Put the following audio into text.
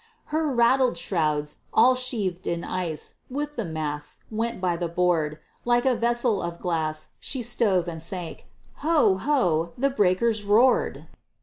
Her rattling shrouds, all sheathed in ice, With the masts, went by the board; Like a vessel of glass, she stove and sank, Ho! ho! the breakers roared!